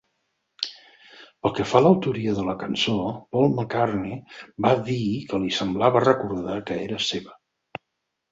Pel que fa a l'autoria de la cançó, Paul McCartney va dir que li semblava recordar que era seva.